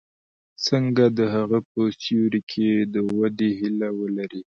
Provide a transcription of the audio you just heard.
څنګه د هغه په سیوري کې د ودې هیله ولري.